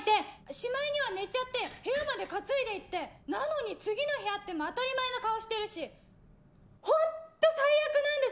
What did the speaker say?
・しまいには寝ちゃって部屋まで担いで行ってなのに次の日会っても当たり前の顔してるし・・ホント最悪なんです！